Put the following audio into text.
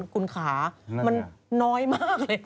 คุณขามันน้อยมากเลย